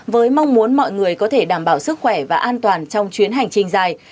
với mong muốn mọi người có thể đảm bảo sức khỏe và an toàn trong chuyến hành trình dài